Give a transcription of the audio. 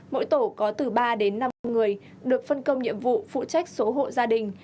mỗi tổ có từ ba đến năm người được phân công nhiệm vụ phụ trách số hộ gia đình